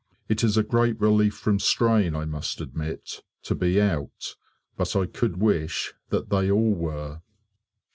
It is a great relief from strain, I must admit, to be out, but I could wish that they all were.